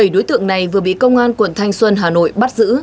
bảy đối tượng này vừa bị công an quận thanh xuân hà nội bắt giữ